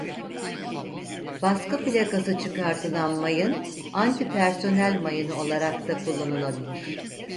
Baskı plakası çıkartılan mayın anti personel mayını olarak da kullanılabilir.